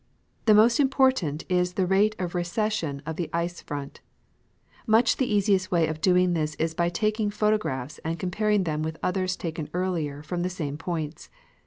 The most impoi'tant is the rate of recession of the ice front. iMuch the easiest way of doing this is by taking photographs and comparing them with others taken earlier from the same points.